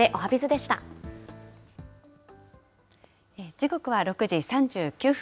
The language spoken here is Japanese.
時刻は６時３９分。